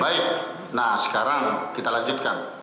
baik nah sekarang kita lanjutkan